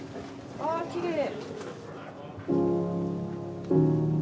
あきれい。